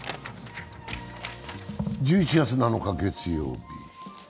１１月７日月曜日。